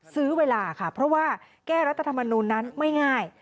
ซื้อเวลาค่ะเพราะว่าแก้รัฐธรรมนูลนั้นไม่ง่าย